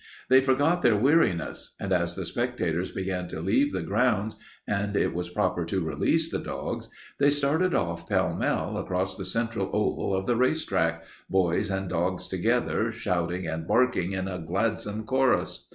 They forgot their weariness, and as the spectators began to leave the grounds, and it was proper to release the dogs, they started off pell mell, across the central oval of the race track, boys and dogs together, shouting and barking in a gladsome chorus.